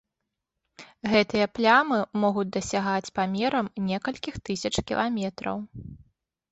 Гэтыя плямы могуць дасягаць памерам некалькіх тысяч кіламетраў.